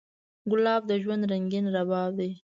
ګلاب د ژوند رنګین باب دی.